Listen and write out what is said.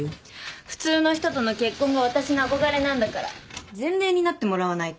普通の人との結婚が私の憧れなんだから前例になってもらわないと。